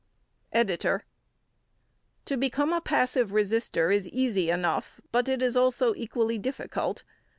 EDITOR: To become a passive resister is easy enough, but it is also equally difficult.